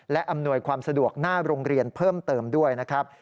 และอำนวยความสะดวกหน้าโรงเรียนเพิ่มเติมด้วยนะครับ